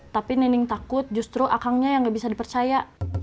tapi nining takut justru akangnya yang gak bisa dipercaya